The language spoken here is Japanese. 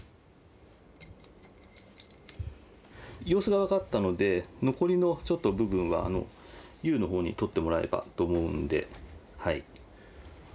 様子が分かったので残りのちょっと部分は悠の方に取ってもらえばと思うんではい。